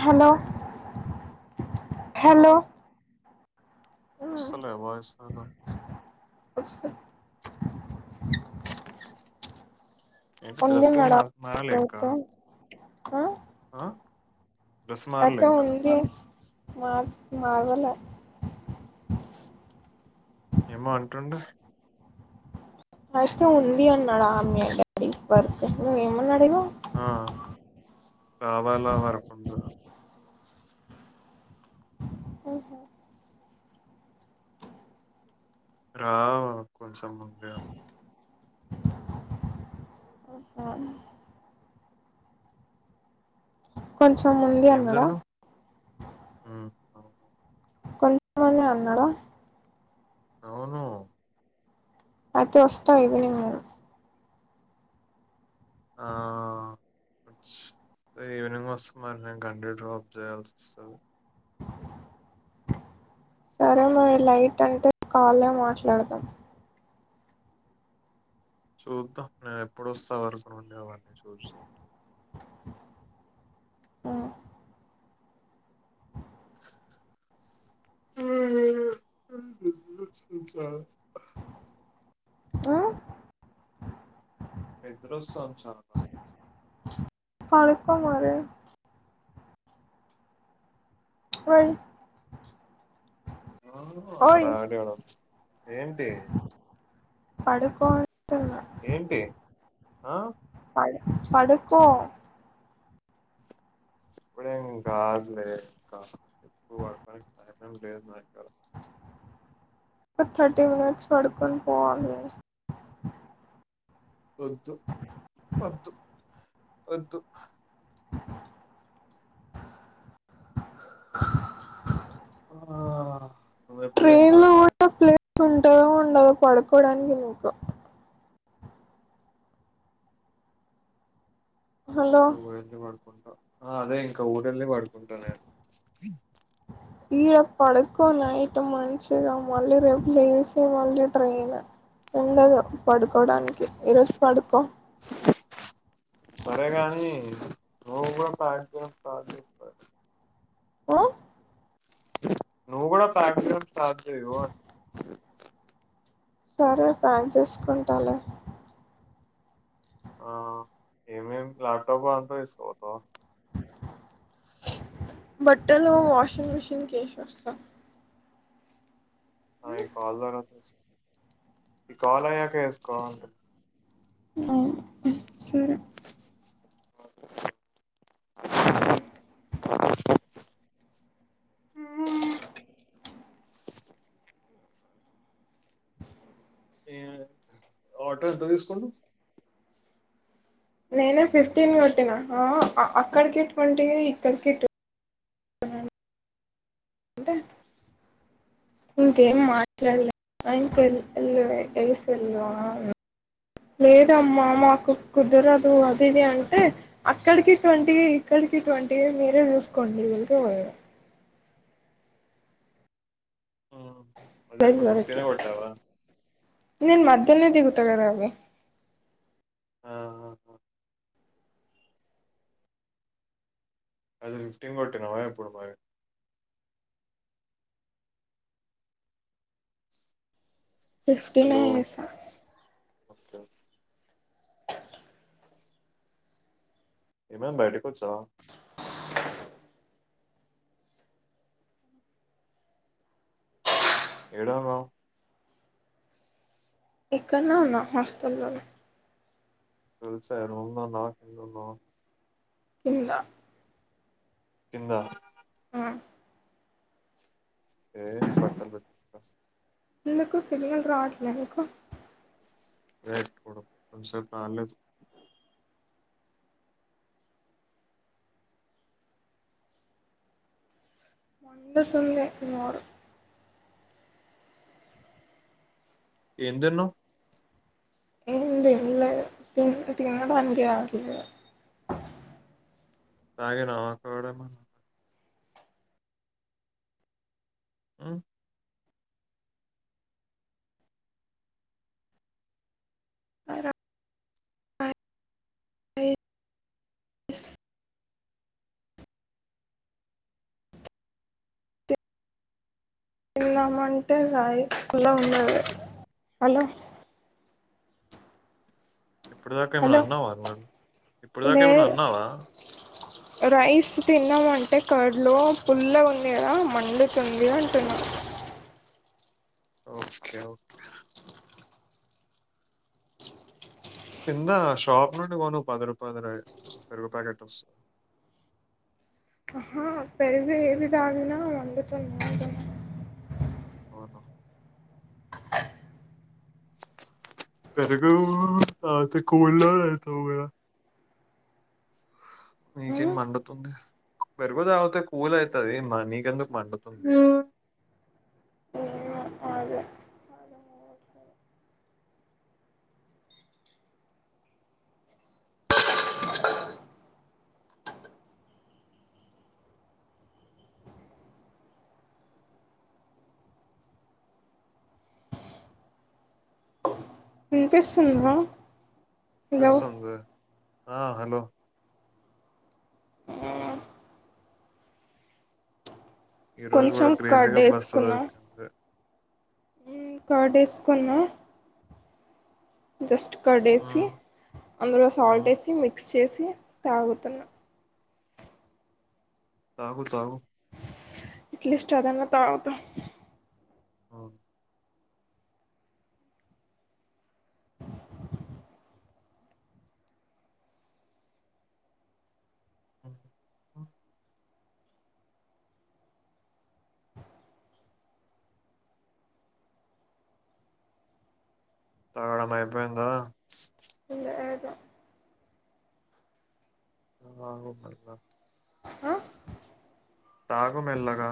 Hello hello వస్తలే voice వస్తుంది ఏంటి ఉంది డ్రెస్ మేడం అయితే [inaudible] ఆ ఆ మారలే అతే ఇంకా ఉంది మావిష్ మగోలే ఏమో అంటుండు అయితే ఉంది అన్నాడు ఆ అమ్మే డాడీ వర్క్ ఇంగేమన్నాడెమో ఆ కవాలా వరకుండునా మ్ హు రావ్ కొంచెం ముందే అప్పం కొంచెం ముందే ఏం అన్నాడా జన్నావ్ ఉమ్ అవును కొంతమంది అన్నాడా అవును మతో వాస్తవ ఈవినింగ్ ఆ ఈవినింగ్ వస్త మరి నే కం డ్రాప్ చేయాల్సి వస్తావు సరే మరి లైట్ అంటే కాలే మాట్లాడదాం చూద్దాం నేను ఎప్పుడు వస్తా వరకు ఉండవని చూ ఆ హా హు పెద్ద్రోసాం చాలా మదా పడకం మరే వయి అడాడిడ ఏంటి పడుకో అంటున్నా ఏంటి ఆ పడుకో ఇప్పుడకాలే ఎప్పుడు థర్టీ మినట్స్ పడక పోవాలికద వద్దు వద్దు వద్దు ఆ నువ్వు ఎప్పుడూ చేస్తావ్ బ్యాంక్ ఉంటదో ఉండదో పడుకొడానికి నాకు హలో అ ఎల్లి పడుకుంటా ఆ అదే ఇంకా ఊరెళ్ళి పడుకుంటాను నేను ఈడ పడుకోనైట్ మంచిగా మళ్ళీ రేపు లేసి మళ్ళీ ట్రైన్ ఉండదు పడుకోడానికి ఈరోజు పడుకో రవ్వ పడితే [inaudible] మ్మ్ నువ్వు కూడా [unintelligible] స్టార్ట్ చెయ్యు సరే ఫాన్స్ ఏసుకుంటాలే ఏమేమ్ ల్యాప్టాప్ అంత తీసుకు పోతావా బట్టలు వాషింగ్ మిషిన్ కి ఏసోస్తా ఆ కాల్ దార తీసు [unintelligible] ఈ కాల్ అయాక వేసుకో ఆ సరే [inaudible] ఆను [inaudible] ఆటోస్ తీసుకుం నేనే ఫిఫ్టీన్ కొట్టినా అక్కడికి ట్వంటీ ఇక్కడికి ట్వంటీ అంటే ఇంకేం మాట్లాడలేదు ఆంకళ వస్ వెళ్ళవా లేదమ్మా మాకు కుదరదు అదిది అంటే అక్కడికి ట్వంటివి ఇక్కడికి ట్వంటివి మీరే చూసుకోండి వెళ్రు అదే ఇప్పుడు సరిరక ఫిఫ్టీనే కొట్టావా నేను మధ తెనేదిగుతగరే ఆ అది ఫిఫటీన్ కొట్టినవా ఇప్పుడు మరి ఫిఫ్టీనే హలో! వేస ఓకే [inaudible] ఎమమ్ భైటకుచ్చవ ఎడ ఉన్నావ్ ఇక్కడనా ఉన్నా హాస్టల్లోలో రూమ్ లో ఉన్నావా కిందున్నవ కింద కింద ఆ ఏ బట్టలు పె ఎందుకు సిగ్నల్ రావట్లే ఎందుకు కన్సెట్ అాలదు మండు తుంది డు ఎం తిన్నవ్ ఏం తినలే తినాలనిపిఎట్లేదు సాగేనావాక్కవడ ఆ అస్ తిలమంటే రాయి కులా ఉన్నారు హలో ఇప్పుడు దాకా ఏమైనా హలో అన్నావా అ మ ఇప్పుడు దాకా లే ఏమైనా అన్నావా రైస్ తిన్నామంటే కడులో పుల్ల ఉందిదా మండుతుంది అంటున్నా ఓకే ఓకే కింద షాప్ నుండి పోను పదరుపాది పెరుగు ప్యాకెట్ వస్తా ఆహా పెరుగు ఏది తాగినా మండుతుంది అంటున్న అ పెరుగు తాగితే కూల్ గా అవుతాది కదా నీకేం ఉమ్ మండుతుంది పెరుగు తగితే కూల్ అవుతుది మా నీకెందుకు మండుతుంది అదే వినిపిస్తుంద వినిపిస్తందే ఆ హలో ఈ రోజు కూడా కొంచెం క్రేజీ కర్డ్ గా బస్సు వేసుకున్నా దొరికింది కార్డెసుకున్న జస్టు కడేసి ఉమ్ అందులో సాల్ట్ ఉమ్ ఏసి మిక్స్ చేసి టీ తాగుతున్న తాగు తాగు ఇట్లిస్ట్ అదన తాగుతా ఆ అే తాగడం అయిపోయిందా లేదు తాగు మెల్లగా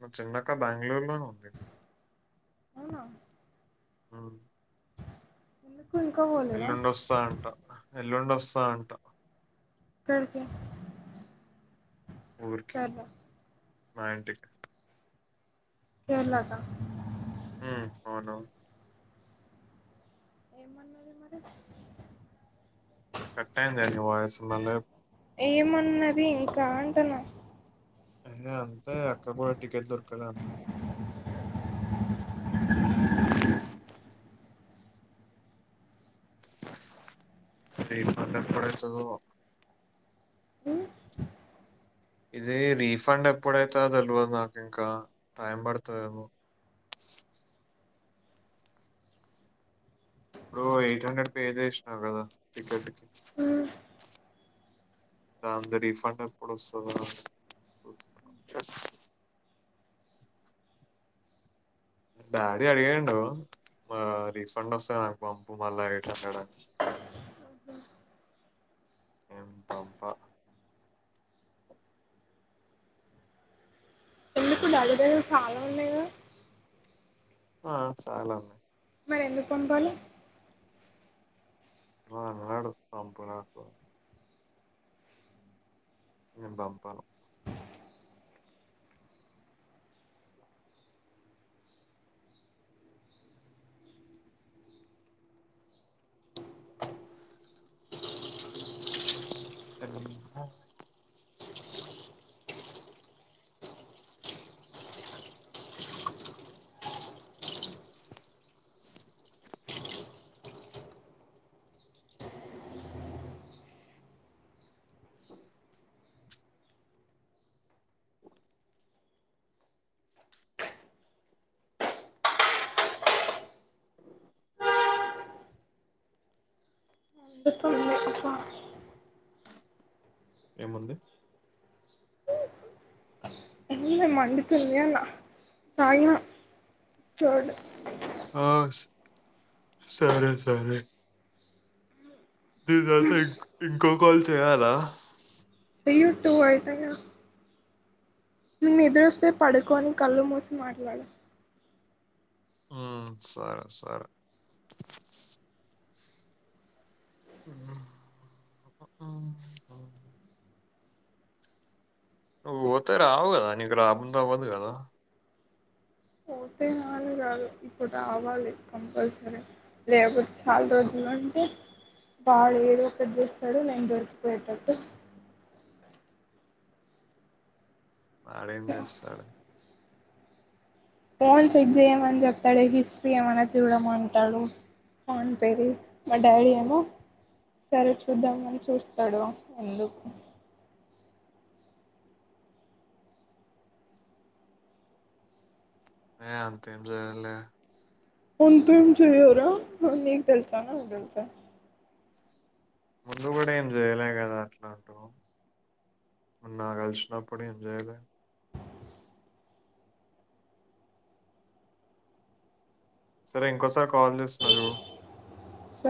మా చిన్నక్క బెంగళూరులోనే ఉంది ఇంకా అవునా అవున్ ఎందుకు ఇంకా పోలేదా ఎల్లుండి ఒస్తదంట ఎల్లుండొస్తదంట ఎక్కడికి ఊరికి సర్ల మా ఇంటిక్ కేరళక ఊమ్ అవును ఏం మన్నది మరి కట్టయింది గద నీ వాయిసు మలేప్ ఏమన్నది ఇంకా అంటునా ఇంగ అంతే అక్క గూడా టికెట్ దొరుకు కదన్న అ ఇది మల్లెపుడొస్తదో ఉమ్ ఇది రీఫండ్ ఎప్పుడైతదో దెల్వద్ నాకు ఇంకా టైం బడతదేమో ఇప్పుడు ఎయిట్ హండ్రెడ్ పే జేష్ణవ్ గదా టికెట్ కి ఉమ్ దాంది రీఫండ్ ఎప్పుడు ఒస్తదో మీ డాడీ అడిగిండు మా రీఫండ్ ఒస్తే నాకు వంపు మళ్ల ఎయిట్ హండ్రెడ్ అన్ ఏం పంప ఎందుకు డాడీ దగ్గర చాలా ఉన్నయ్ గద ఆ చాలా ఉన్నాయి మరి ఎందుకు పంపాలి ఏమో నువ్వే అడుగు పంపుడా పంప్ నేన్ బంపను అ ఓ ఏందో పున్ను ప ఏముంది ఏంలే మండుతుంది అన్న తాయినా చోడు ఓ సరే సరే దీని తర్త ఇం ఇంకో కాల్ చేయాలా యు టు అయితయ గా నిదురొస్తే పడుకోని కళ్ళు మూసి మాట్లాడు ఉ సరే సరే త రాబగాదాని గరాబా వదుగాదా పోతే నళు కాదు ఇప్పుడు రావాలి కంపల్సరీ లేబర్ ాల ఎందుకు రజుంట వాడు ఏద ఒకక్కటి చూస్తాడు నేను దొరికిపోయేటట్టు వాడం వస్తడ ఫోన్స్్ ఏమని చెప్తాడు హిస్టరీ ఏమన్నా చూడమ అంటాడు ఫోన్ పెరి మా డాడీ ఏమో సరే చూద్దామని చూస్తాడు ఎందుకు న అంతం సల కొ త ఇం చలిరా న తెలుసా తెలుస ముందు కూడా ఏం చేయలే కదా అట్లాంటా నాకు కలిసినప్పుడు ఏం చేయలే సరే ఇంకోసారి కాల్ చేస్తున్నా చ స